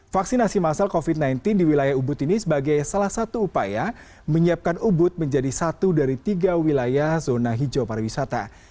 vaksinasi masal covid sembilan belas di wilayah ubud ini sebagai salah satu upaya menyiapkan ubud menjadi satu dari tiga wilayah zona hijau pariwisata